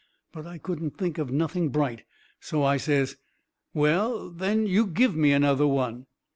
But I couldn't think of nothing bright, so I says: "Well, then, you give me another one!"